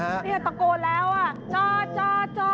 ตะโกนแล้วจอดจอดจอด